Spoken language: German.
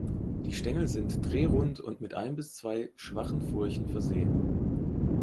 Die Stängel sind drehrund und mit ein bis zwei schwachen Furchen versehen.